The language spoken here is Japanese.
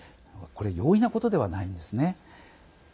これ容易なことではないんですね。